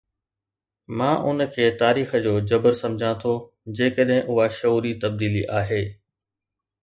مان ان کي تاريخ جو جبر سمجهان ٿو جيڪڏهن اها شعوري تبديلي آهي.